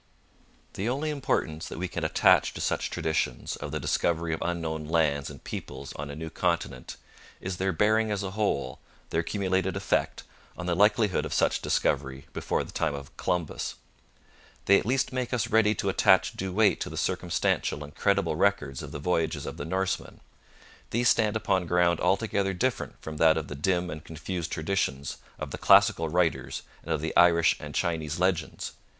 The only importance that we can attach to such traditions of the discovery of unknown lands and peoples on a new continent is their bearing as a whole, their accumulated effect, on the likelihood of such discovery before the time of Columbus. They at least make us ready to attach due weight to the circumstantial and credible records of the voyages of the Norsemen. These stand upon ground altogether different from that of the dim and confused traditions of the classical writers and of the Irish and Chinese legends.